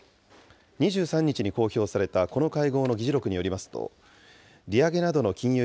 ２３日に公表されたこの会合の議事録によりますと、利上げなどの金融